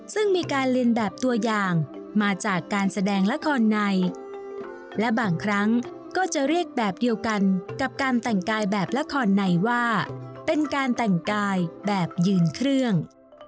ซึ่งมีการเรียนแบบตัวอย่างมาจากการแสดงละครในและบางครั้งก็จะเรียกแบบเดียวกันกับการแต่งกายแบบละครในว่าเป็นการแต่งกายแบบยืนเครื่อง